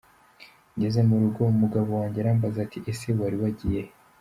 Ngeze mu rugo umugabo wanjye arambaza ati : “Ese wari wagiye he ?